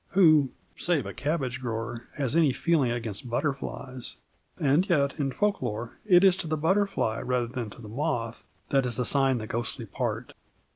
Who save a cabbage grower has any feeling against butterflies? And yet in folk lore it is to the butterfly rather than to the moth that is assigned the ghostly part.